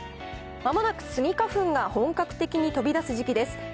まもなくスギ花粉が本格的に飛び出す時期です。